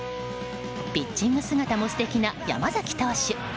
ピッチング姿も素敵な山崎投手。